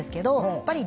やっぱり。